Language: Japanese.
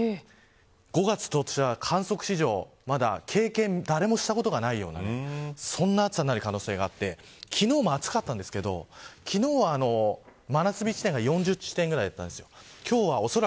５月としては観測史上誰も経験したことがないようなそんな暑さになる可能性があって昨日も暑かったんですけど昨日は真夏日地点が４０地点ぐらいあったんです。